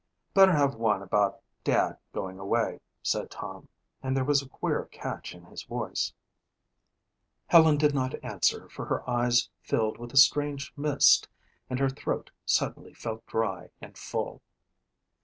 "Better have one about Dad going away," said Tom and there was a queer catch in his voice. Helen did not answer for her eyes filled with a strange mist and her throat suddenly felt dry and full.